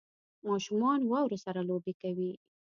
ماشومان واورو سره لوبې کوي